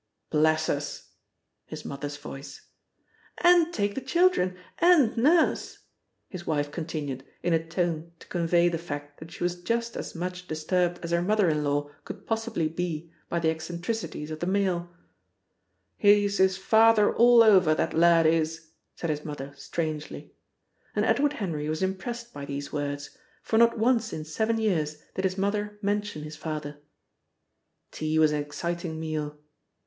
"Bless us!" His mother's voice. "And take the children and Nurse!" his wife continued in a tone to convey the fact that she was just as much disturbed as her mother in law could possibly be by the eccentricities of the male. "He's his father all over, that lad is!" said his mother strangely. And Edward Henry was impressed by these words, for not once in seven years did his mother mention his father. Tea was an exciting meal.